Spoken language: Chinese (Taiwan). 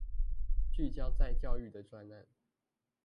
聚焦在教育的專案